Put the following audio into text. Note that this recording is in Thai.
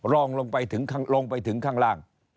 รองลงไปถึงข้างล่าง